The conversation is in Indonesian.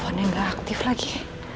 teleponnya nggak aktif lagi